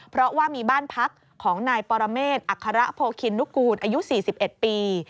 เพราะว่ามีบ้านพักของนายปรเมฆอัคระโพคินนุกูลอายุ๔๑ปี